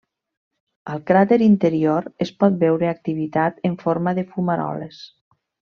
Al cràter interior, es pot veure activitat en forma de fumaroles.